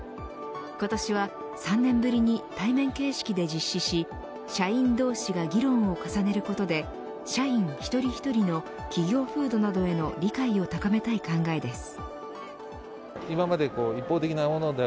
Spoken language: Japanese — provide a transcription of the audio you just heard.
今年は３年ぶりに対面形式で実施し社員同士が議論を重ねることで社員一人一人の企業風土などへの理解を高めたい考えです。